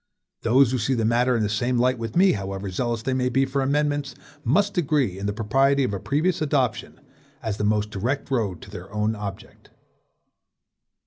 Those who see the matter in the same light with me, however zealous they may be for amendments, must agree in the propriety of a previous adoption, as the most direct road to their own object.